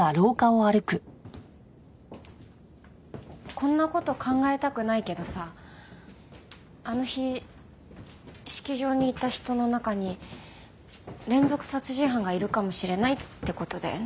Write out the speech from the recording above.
こんな事考えたくないけどさあの日式場にいた人の中に連続殺人犯がいるかもしれないって事だよね？